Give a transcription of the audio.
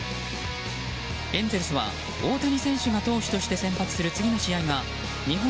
エンゼルスは大谷選手が投手として先発する次の試合が日本